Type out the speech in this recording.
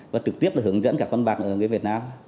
và trực tiếp hướng dẫn các con bạc ở người việt nam